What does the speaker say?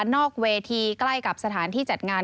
นอกเวทีใกล้กับสถานที่จัดงาน